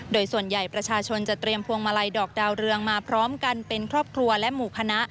โดยส่วนใหญ่ประชาชนจะเตรียมพวงมาลัยดอกดาวเรืองมาพร้อมกันเป็นครอบครัวและหมู่คณะ